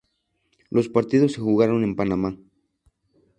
Los partidos se jugaron en Panamá.